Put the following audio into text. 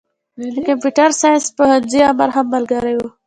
د کمپيوټر ساينس پوهنځي امر هم ملګری و.